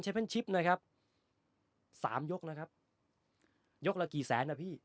ชิปนะครับสามยกนะครับยกละกี่แสนนะพี่